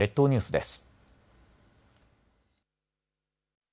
列島ニュースです。